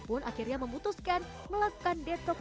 sebelumnya dia menggunakan media sosial yang banyak